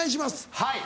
はい。